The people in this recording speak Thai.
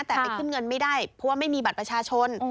แต่ไปขึ้นเงินไม่ได้เพราะว่าไม่มีบัตรประชาชน